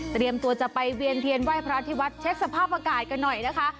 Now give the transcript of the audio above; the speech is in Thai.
ตัวจะไปเวียนเทียนไหว้พระที่วัดเช็คสภาพอากาศกันหน่อยนะคะ